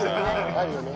あるよね。